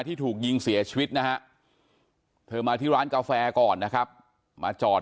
ที่ถูกยิงเสียชีวิตนะฮะเธอมาที่ร้านกาแฟก่อนนะครับมาจอด